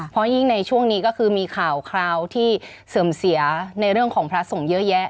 เพราะยิ่งในช่วงนี้ก็คือมีข่าวคราวที่เสื่อมเสียในเรื่องของพระสงฆ์เยอะแยะ